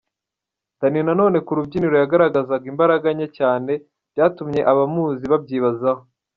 Danny Nanone ku rubyiniro yagaragazaga imbaraga nke cyane byatumye abamuzi babyibazaho.